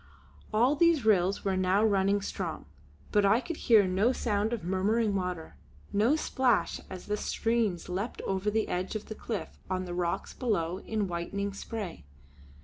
All these rills were now running strong, but I could hear no sound of murmuring water, no splash as the streams leapt over the edge of the cliff on the rocks below in whitening spray.